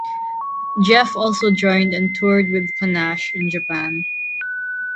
Jeff also joined and toured with Panache in Japan.